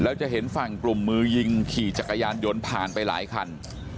แล้วจะเห็นฝั่งกลุ่มมือยิงขี่จักรยานยนต์ผ่านไปหลายคัน